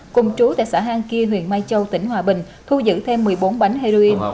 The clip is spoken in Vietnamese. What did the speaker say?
cùng chú tại xã hang kia huyện mai châu tỉnh hòa bình thu giữ thêm một mươi bốn bánh heroin